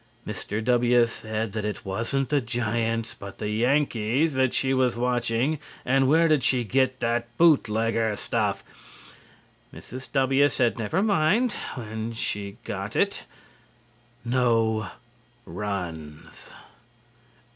Mr. W. said that it wasn't the Giants but the Yankees that she was watching and where did she get that bootlegger stuff. Mrs. W. said never mind where she got it. NO RUNS.